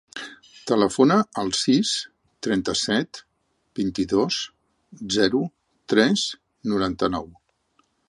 Telefona al sis, trenta-set, vint-i-dos, zero, tres, noranta-nou.